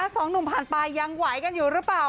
สองหนุ่มผ่านไปยังไหวกันอยู่หรือเปล่า